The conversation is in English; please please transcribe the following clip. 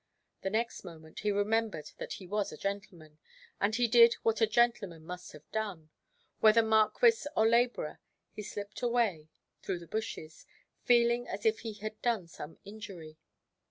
The next moment he remembered that he was a gentleman; and he did what a gentleman must have done—whether marquis or labourer: he slipped away through the bushes, feeling as if he had done some injury.